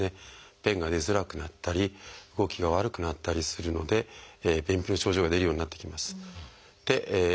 便が出づらくなったり動きが悪くなったりするので便秘の症状が出るようになってきます。